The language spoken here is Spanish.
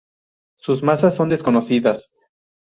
Sus masas son desconocidas.